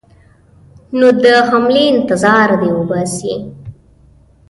نو د حملې انتظار دې وباسي.